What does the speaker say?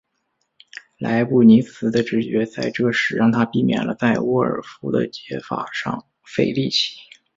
莱布尼兹的直觉在这时让他避免了在沃尔夫的解法上费力气。